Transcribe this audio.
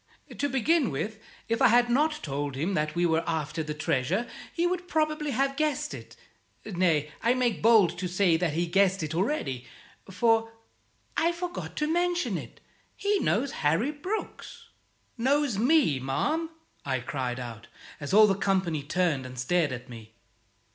To begin with, if I had not told him that we were after the treasure, he would probably have guessed it; nay, I make bold to say that he guessed it already, for I forgot to mention it he knows Harry Brooks." "Knows me, ma'am?" I cried out, as all the company turned and stared at me.